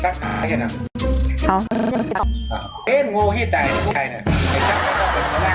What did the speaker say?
ขอบคุณครับ